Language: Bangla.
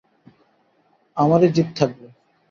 আমারই জিত থাকবে।